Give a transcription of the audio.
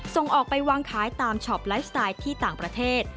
ส่งออกไปวางขายตามช็อปไลฟ์สไตล์ที่ต่างประเทศ